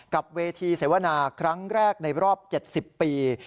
กับเวทีเสวนาครั้งแรกในรอบ๗๐ปี